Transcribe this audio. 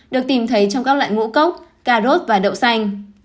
được tìm thấy trong các loại ngũ cốc cà rốt và đậu xanh